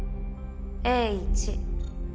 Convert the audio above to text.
Ａ１。